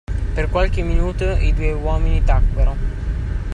Per qualche minuto i due uomini tacquero.